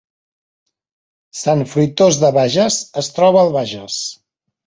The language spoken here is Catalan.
Sant Fruitós de Bages es troba al Bages